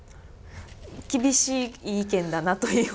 厳しい意見だなというような。